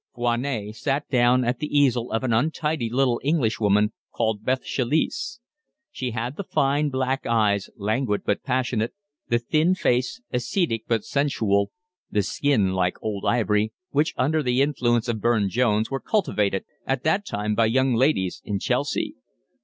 Foinet sat down at the easel of an untidy little Englishwoman called Ruth Chalice. She had the fine black eyes, languid but passionate, the thin face, ascetic but sensual, the skin like old ivory, which under the influence of Burne Jones were cultivated at that time by young ladies in Chelsea.